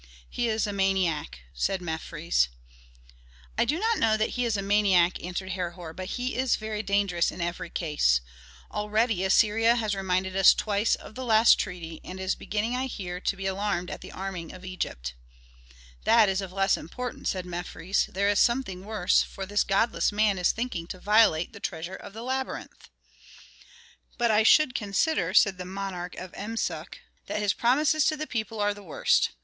"He is a maniac!" said Mefres. "I do not know that he is a maniac," answered Herhor, "but he is very dangerous in every case. Already Assyria has reminded us twice of the last treaty, and is beginning, I hear, to be alarmed at the arming of Egypt." "That is of less importance," said Mefres; "there is something worse, for this godless man is thinking to violate the treasure of the labyrinth." "But I should consider," said the nomarch of Emsuch, "that his promises to the people are the worst.